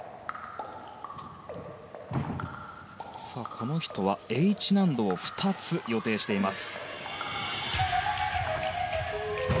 この人はＨ難度を２つ予定しています。